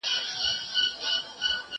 موسيقي واوره!؟